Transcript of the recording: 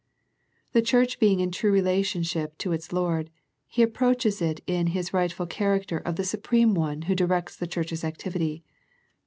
The church being in true relationship to its Lord, He approaches it in His rightful char acter of the Supreme One Who directs the church's activity.